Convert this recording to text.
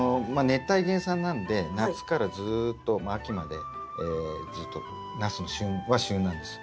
熱帯原産なんで夏からずっと秋までずっとナスの旬は旬なんです。